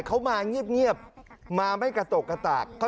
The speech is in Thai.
เขามาเงียบมาไม่กระตกกระตาก